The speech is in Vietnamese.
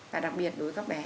và đặc biệt đối với các bé